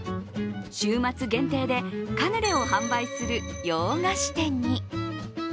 週末限定でカヌレを販売する洋菓子店に。